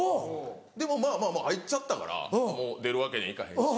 でもまぁまぁ入っちゃったからもう出るわけにいかへんし。